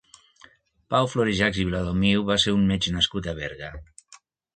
Pau Florejachs i Viladomiu va ser un metge nascut a Berga.